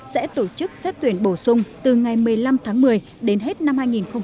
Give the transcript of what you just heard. sẽ tổ chức xét tuyển bổ sung từ ngày một mươi năm tháng một mươi đến hết năm hai nghìn hai mươi